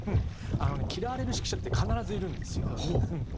あのね嫌われる指揮者って必ずいるんですよ。